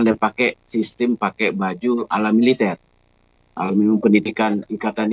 saat ini mata saya hanya mau beri inisiatif adat